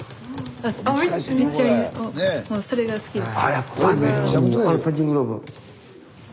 もうそれが好きです。